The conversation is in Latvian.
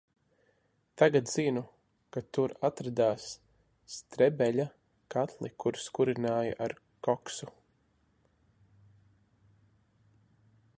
"Tagad zinu ka tur atradās "Strebeļa" katli kurus kurināja ar koksu."